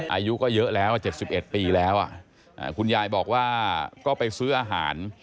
อายุก็เยอะแล้ว๗๑ปีแล้วคุณยายบอกว่าก็ไปซื้ออาหาร